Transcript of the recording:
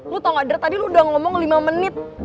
lo tau gak dert tadi lo udah ngomong lima menit